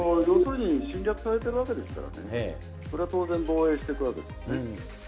要するに侵略されているわけですからね、それは当然、防衛していくわけですね。